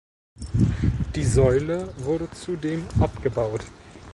Die Säule wurde zudem abgebaut.